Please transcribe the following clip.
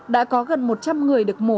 đã có gần một trăm linh người được mổ